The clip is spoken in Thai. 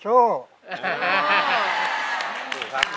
ขอบคุณครับ